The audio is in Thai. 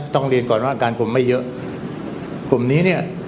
ต้องเรียนก่อนว่าอาการผมไม่เยอะผมนี้เนี้ย